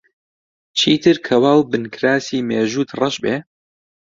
چیتر کەوا و بنکراسی مێژووت ڕەش بێ؟